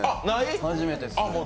初めてです。